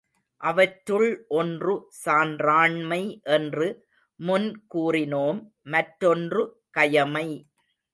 அவற்றுள் ஒன்று சான்றாண்மை என்று முன் கூறினோம் மற்றொன்று கயமை.